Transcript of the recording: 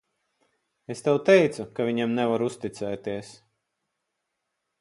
Es tev teicu, ka viņam nevar uzticēties.